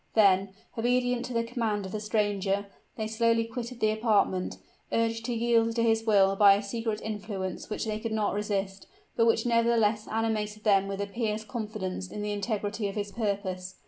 Then, obedient to the command of the stranger, they slowly quitted the apartment urged to yield to his will by a secret influence which they could not resist, but which nevertheless animated them with a pious confidence in the integrity of his purpose.